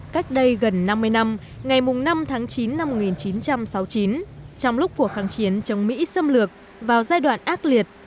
cách đây gần năm mươi năm ngày năm tháng chín năm một nghìn chín trăm sáu mươi chín trong lúc của kháng chiến chống mỹ xâm lược vào giai đoạn ác liệt